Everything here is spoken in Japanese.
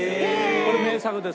これ名作です。